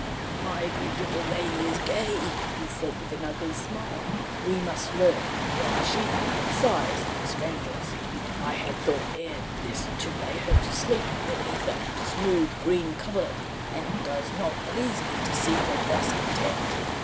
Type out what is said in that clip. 'My beautiful lady is gay!' he said, with an ugly smile. 'We must learn why she and sighs are strangers. I had thought ere this to lay her to sleep beneath a smooth green coverlet, and it does not please me to see her thus content.'